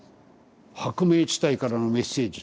「薄明地帯からのメッセージ」